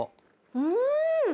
うん！